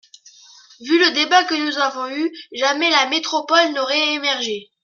Vu le débat que nous avons eu, jamais la métropole n’aurait émergé.